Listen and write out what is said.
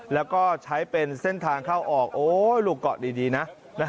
แล้วก็ใช้เป็นเส้นทางเข้าออกลูกเกาะดีนะ